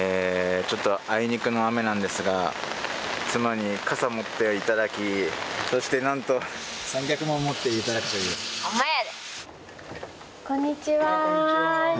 ちょっとあいにくの雨なんですが妻に傘持っていただきそしてなんとこんにちは失礼します。